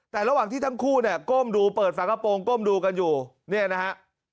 แต่ระหว่างที่ทั้งคู่เนี่ยก้มดูเปิดฝากระโปรงก้มดูกันอยู่เนี่ยนะฮะ